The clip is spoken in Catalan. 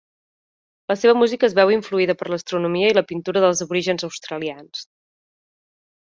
La seva música es veu influïda per l'astronomia i la pintura dels aborígens australians.